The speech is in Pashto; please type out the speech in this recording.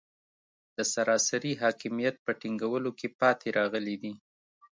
د سراسري حاکمیت په ټینګولو کې پاتې راغلي دي.